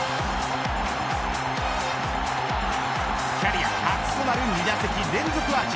キャリア初となる２打席連続アーチ。